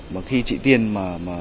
mà khi chị tiên mà